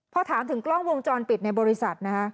พอถามถึงกล้องวงจรปิดในบริษัทนะคะ